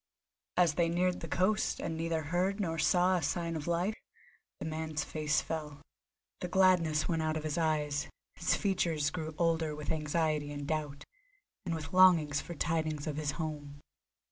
As they neared the coast, and neither heard nor saw a sign of life, the man's face fell. The gladness went out of his eyes, his features grew older with anxiety and doubt, and with longing for tidings of his home.